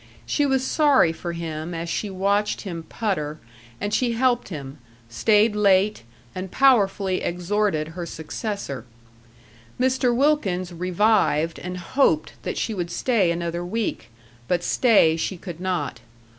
She was sorry for him as she watched him putter, and she helped him; stayed late, and powerfully exhorted her successor. Mr. Wilkins revived and hoped that she would stay another week, but stay she could not.